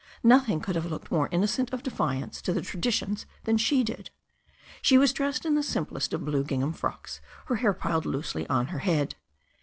Nothing could have looked more innocent of defiance to the traditions than she did. She was dressed in the simplest of blue gingham frocks, her hair piled loosely on her head.